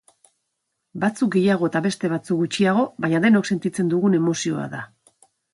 Batzuk gehiago eta beste batzuk gutxiago, baina denok sentitzen dugun emozioa da.